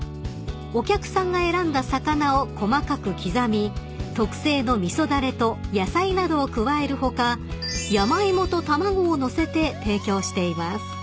［お客さんが選んだ魚を細かく刻み特製の味噌だれと野菜などを加える他山芋と卵を載せて提供しています］